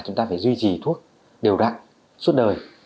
chúng ta phải duy trì thuốc đều đặn suốt đời